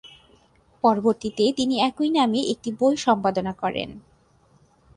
পরবর্তীতে তিনি একই নামে একটি বই সম্পাদনা করেন।